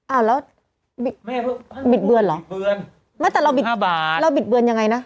อ้าวแล้วบิดเบือนเหรอไม่แต่เราบิดเบือนยังไงนะ